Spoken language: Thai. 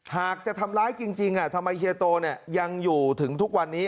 หากจะทำร้ายจริงทำไมเฮียโตยังอยู่ถึงทุกวันนี้